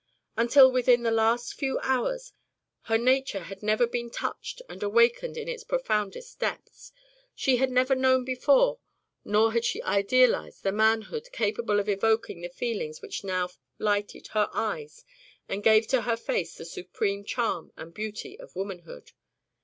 Until within the last few hours, her nature had never been touched and awakened in its profoundest depths. She had never known before nor had she idealized the manhood capable of evoking the feelings which now lighted her eyes and gave to her face the supreme charm and beauty of womanhood.